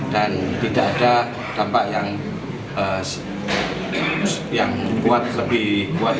dan tidak ada dampak yang lebih kuat